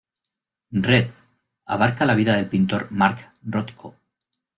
Red abarca la vida del pintor Mark Rothko.